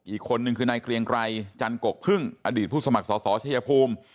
อีกคนนึงคือนายเกรียงไกรจันกกพึ่งอดีตผู้สมัครสอสอชัยภูมิ